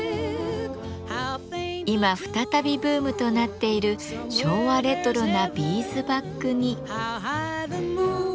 今再びブームとなっている昭和レトロなビーズバッグに。